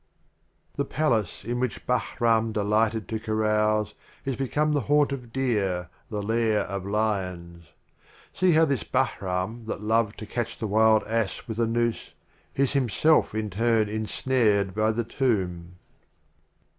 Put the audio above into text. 55 The Literal Omar XVIII. The Literal The Palace in which Bahrain de 0mar lighted to carouse Is become the Haunt of Deer, the Lair of Lions. See how this Bahram that loved to catch the Wild Ass with a Noose, Is himself in turn ensnared by the Tomb!